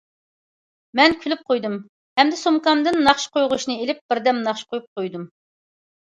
مەن كۈلۈپ قويدۇم ھەمدە سومكامدىن ناخشا قويغۇچنى ئېلىپ، بىردەم ناخشا قويۇپ قويدۇم.